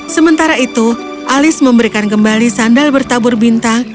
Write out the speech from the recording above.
sementara itu alis memberikan kembali sandal bertabur bintang